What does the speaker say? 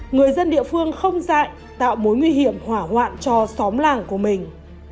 người dân địa phương không dạy tạo mối nguy hiểm hỏa hoạn cho xóm làng của mình